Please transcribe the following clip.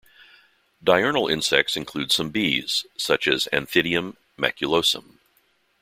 Diurnal insects include some bees, such as "Anthidium maculosum.